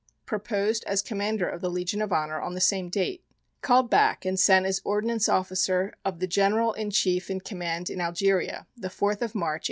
Proposed as Commander of the Legion of Honor on the same date. Called back and sent as Ordinance Officer of the General in Chief in Command in Algeria, the 4th of March, 1896.